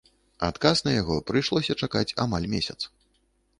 Адказ на яго прыйшлося чакаць амаль месяц.